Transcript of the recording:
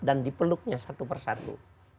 dan dipeluknya satu persatu